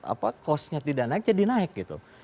apa costnya tidak naik jadi naik gitu